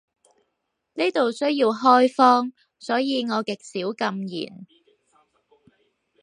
呢度需要開荒，所以我極少禁言